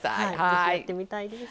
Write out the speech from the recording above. ぜひやってみたいです。